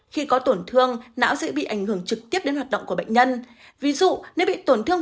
khi có tổn thương não dễ bị ảnh hưởng trực tiếp đến hoạt động của bệnh nhân ví dụ nếu bị tổn thương